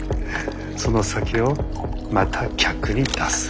その酒をまた客に出す。